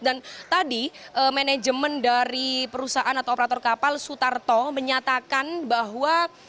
dan tadi manajemen dari perusahaan atau operator kapal sutarto menyatakan bahwa